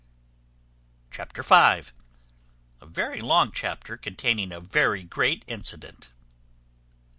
Chapter v. A very long chapter, containing a very great incident.